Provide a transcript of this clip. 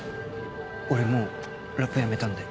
俺もうラップやめたんで。